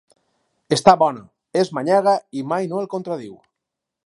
Està bona, és manyaga i mai no el contradiu.